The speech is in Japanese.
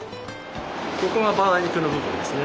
ここがバラ肉の部分ですね。